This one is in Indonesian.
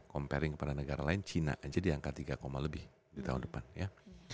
comparing kepada negara lain cina aja di angka tiga lebih di tahun depan ya